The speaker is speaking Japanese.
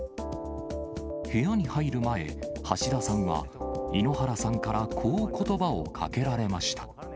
部屋に入る前、橋田さんは、井ノ原さんからこうことばをかけられました。